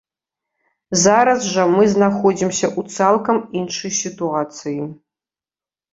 Зараз жа мы знаходзімся ў цалкам іншай сітуацыі.